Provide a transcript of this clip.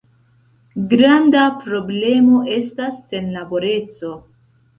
Granda problemo estas senlaboreco.